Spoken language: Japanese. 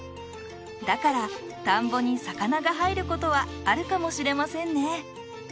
だから田んぼに魚が入ることはあるかもしれませんね